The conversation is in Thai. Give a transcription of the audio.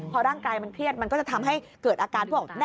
พอร่างกายมันเครียดมันก็จะทำให้เกิดอาการพวก